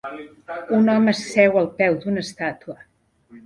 Un home seu al peu d'una estàtua.